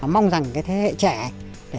mong rằng cái thế hệ trẻ